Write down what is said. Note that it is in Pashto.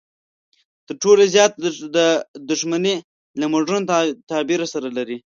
تر ټولو زیاته دښمني له مډرن تعبیر سره لري.